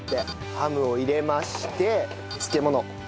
ハムを入れまして漬物。